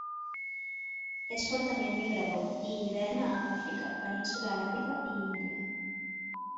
És fortament migrador, i hiverna a l'Àfrica, península aràbiga i Índia.